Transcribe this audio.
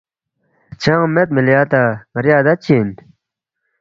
چنگ مید مِلی اتا ن٘ری عادت چی اِن